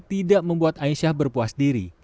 tidak membuat aisyah berpuas diri